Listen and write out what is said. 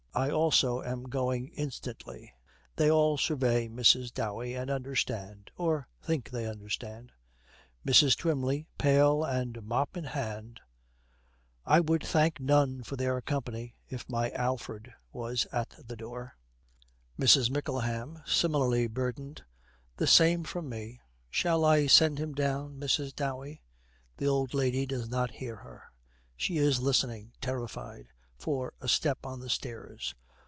'I also am going instantly.' They all survey Mrs. Dowey, and understand or think they understand. MRS. TWYMLEY, pail and mop in hand, 'I would thank none for their company if my Alfred was at the door.' MRS. MICKLEHAM, similarly burdened, 'The same from me. Shall I send him down, Mrs. Dowey?' The old lady does not hear her. She is listening, terrified, for a step on the stairs.